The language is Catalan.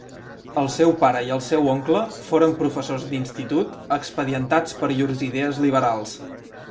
El seu pare i el seu oncle foren professors d'institut expedientats per llurs idees liberals.